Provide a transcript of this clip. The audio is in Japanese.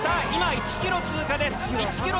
１ｋｍ通過です。